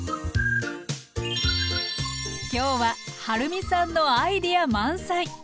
今日ははるみさんのアイデア満載！